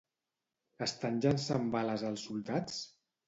Estan llençant bales els soldats?